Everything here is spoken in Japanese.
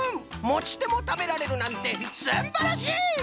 もちてもたべられるなんてすんばらしい！